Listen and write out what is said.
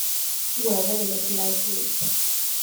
Guerra dello Schleswig